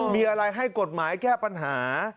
มีอะไรให้กฎหมายแก้ปัญหา